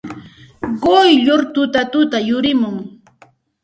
Quyllur tutatuta yurimun.